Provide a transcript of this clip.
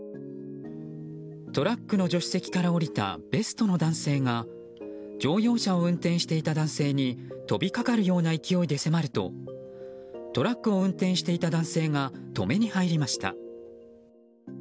トラックの助手席から降りたベストの男性が乗用車を運転していた男性に飛びかかるような勢いで迫るとトラックを運転していた男性が止めに入りました。